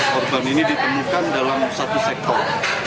korban ini ditemukan dalam satu sektor